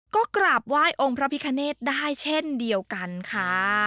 ก็กราบไหว้องค์พระพิคเนตได้เช่นเดียวกันค่ะ